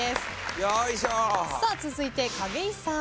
続いて景井さん。